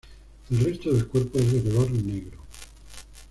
El resto del cuerpo es de color negro.